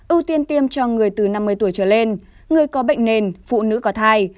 ưu tiên tiêm cho người từ năm mươi tuổi trở lên người có bệnh nền phụ nữ có thai